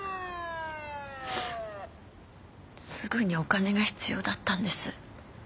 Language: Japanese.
すぐにお金が必要だったんです。